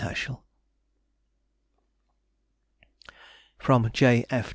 HERSCHEL. FROM J.